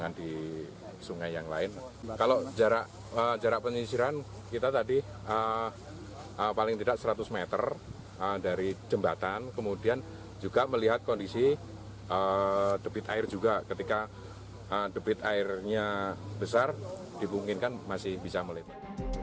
kalau jarak penyisiran kita tadi paling tidak seratus meter dari jembatan kemudian juga melihat kondisi debit air juga ketika debit airnya besar dibunginkan masih bisa meliput